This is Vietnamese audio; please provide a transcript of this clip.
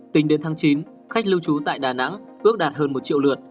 tính đến tháng chín khách lưu trú tại đà nẵng ước đạt hơn một triệu lượt